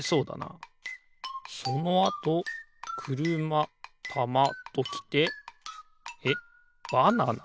そのあとくるまたまときてえっバナナ？